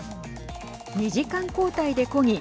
２時間交代でこぎ